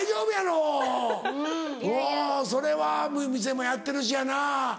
うんそれは店もやってるしやな。